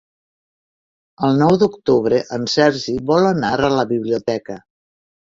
El nou d'octubre en Sergi vol anar a la biblioteca.